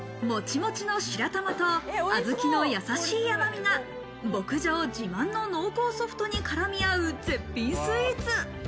もちもちの白玉と、小豆のやさしい甘みが牧場自慢の濃厚ソフトに絡み合う絶品スイーツ。